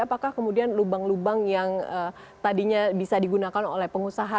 apakah kemudian lubang lubang yang tadinya bisa digunakan oleh pengusaha